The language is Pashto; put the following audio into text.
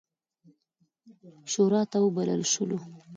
شوراته وبلل شولو.